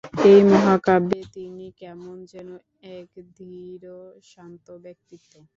এই মহাকাব্যে তিনি কেমন যেন এক ধীর-শান্ত ব্যক্তিত্ব।